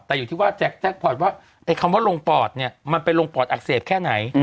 แต่อยู่ที่ว่าแจ็คพอร์ตว่าไอ้คำว่าลงปอดเนี่ยมันไปลงปอดอักเสบแค่ไหน